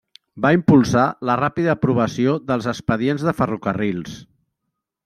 Va impulsar la ràpida aprovació dels expedients de ferrocarrils.